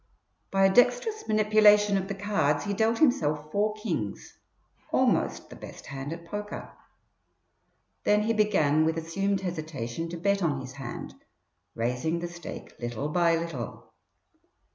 By a dexterous manipulation of the cards he dealt himself four kings, almost the best hand at poker. Then he began with assumed hesitation to bet on his hand, raising the stake little by little.